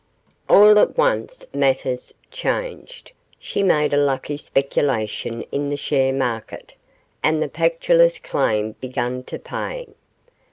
All at once matters changed; she made a lucky speculation in the share market, and the Pactolus claim began to pay.